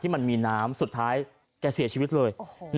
มันมีน้ำสุดท้ายแกเสียชีวิตเลย